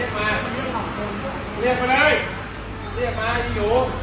ถ่ายทำโดย